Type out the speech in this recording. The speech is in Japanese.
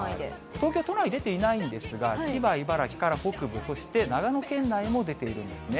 東京都内、出ていないんですが、千葉、茨城から北部、そして長野県内も出ているんですね。